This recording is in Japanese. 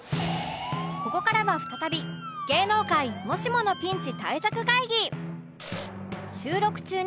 ここからは再び芸能界もしものピンチ対策会議